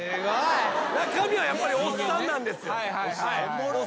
中身はやっぱりおっさんなんですよ。